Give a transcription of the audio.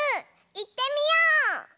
いってみよう！